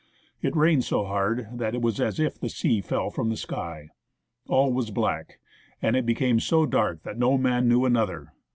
It rained so hard that it was as if the sea fell from the sky. All was black, and it became so dark that no man knew another.